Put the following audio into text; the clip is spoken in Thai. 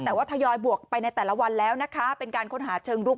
แต่ว่าทยอยบวกไปในแต่ละวันแล้วนะคะเป็นการค้นหาเชิงรุก